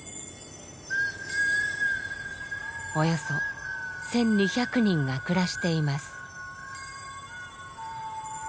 およそ１，２００人が暮らしています。